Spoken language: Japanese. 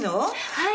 はい。